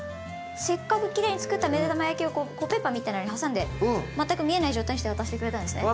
せっかくきれいにつくっためだま焼きをコッペパンみたいなのに挟んで全く見えない状態にして渡してくれたんですね。